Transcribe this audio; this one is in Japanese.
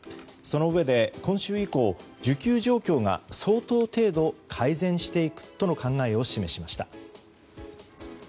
そのうえで、今週以降需給状況が相当程度、改善していくとの考えを示しました。